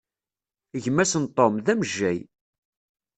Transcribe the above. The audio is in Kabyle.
Gma-s n Tom, d amejjay.